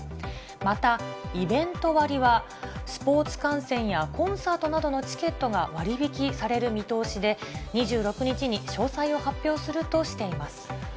また、イベント割は、スポーツ観戦やコンサートなどのチケットが割引される見通しで、２６日に詳細を発表するとしています。